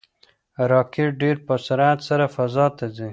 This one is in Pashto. راکټ ډېر په سرعت سره فضا ته ځي.